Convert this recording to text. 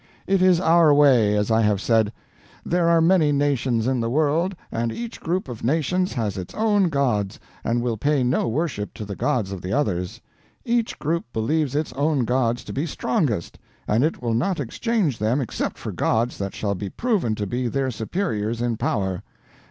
It is our way, as I have said. There are many nations in the world, and each group of nations has its own gods, and will pay no worship to the gods of the others. Each group believes its own gods to be strongest, and it will not exchange them except for gods that shall be proven to be their superiors in power.